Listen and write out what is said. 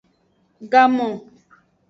Gamon.